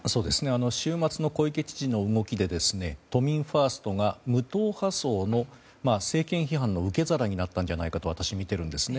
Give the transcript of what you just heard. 週末の小池知事の動きで都民ファーストが無党派層の政権批判の受け皿になったんじゃないかと私は見ているんですね。